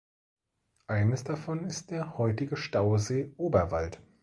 Eines davon ist der heutige Stausee Oberwald.